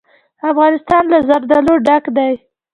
افغانستان له زردالو ډک دی.